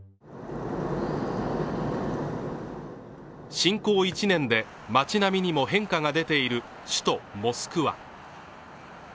侵攻１年で街並みにも変化が出ている首都モスクワ。